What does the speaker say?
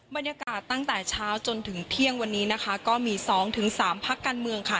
บรรยากาศตั้งแต่เช้าจนถึงเที่ยงวันนี้นะคะก็มีสองถึงสามพักการเมืองค่ะ